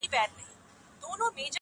تور یم، موړ یمه د ژوند له خرمستیو